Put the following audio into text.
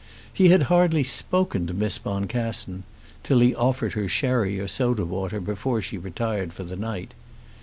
He had hardly spoken to Miss Boncassen, till he offered her sherry or soda water before she retired for the night.